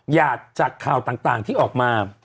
หยาดจากข่าวต่างที่ออกมา